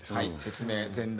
説明前段。